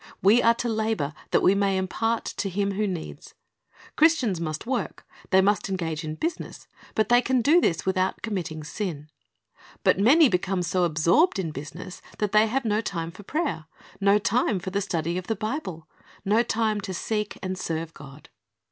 "' We are to labor that we may impart to him who needs. Christians must work, they must engage in business, and they can do this without committing sin. But many become so absorbed in business that they have no time for prayer, no time for the study of the Bible, no time to seek and serve God.